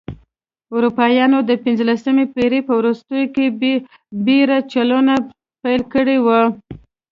اروپایانو د پنځلسمې پېړۍ په وروستیو کې بېړۍ چلونه پیل کړې وه.